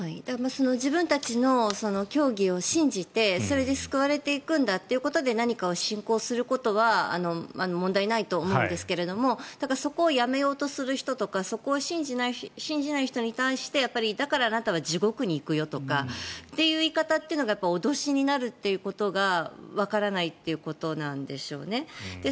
自分たちの教義を信じてそれで救われていくんだということで何かを信仰することは問題ないと思うんですけれどそこをやめようとする人とかそこを信じない人に対してだからあなたは地獄に行くよという言い方というのが脅しになるということがわからないということなんでしょうね。